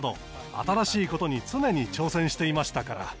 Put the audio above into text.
新しいことに常に挑戦していましたから。